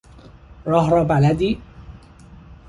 راه را بلدی؟